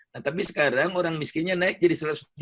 nah tapi sekarang orang miskinnya naik jadi satu ratus tujuh puluh